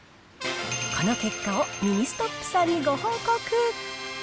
この結果をミニストップさんにご報告。